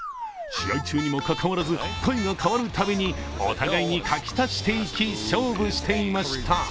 試合中にもかかわらず回が変わるたびにお互いがかき足していき勝負していました。